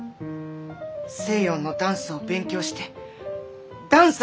西洋のダンスを勉強してダンサーになる。